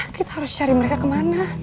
kita harus cari mereka kemana